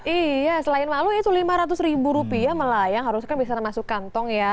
iya selain malu itu lima ratus ribu rupiah melayang harusnya bisa masuk kantong ya